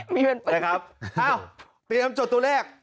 ไม่เป็นปัญหาครับครับอ้าวเตรียมจดตัวแรก